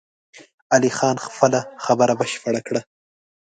علي خان خپله خبره بشپړه کړه!